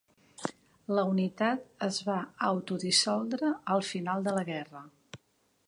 La unitat es va autodissoldre al final de la guerra.